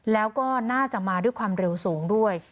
แล้วก็น่าจะมาด้วยความเร็วสูงด้วย